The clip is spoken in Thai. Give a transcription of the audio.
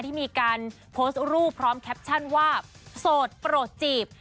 ที่มีการโพสต์รูปพร้อมแคปชั่นว่าโสดโปรดจีบ